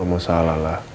gak mau salah lah